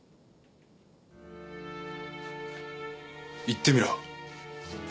言ってみろ。